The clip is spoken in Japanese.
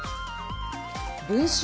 文春